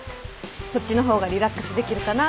こっちの方がリラックスできるかなって。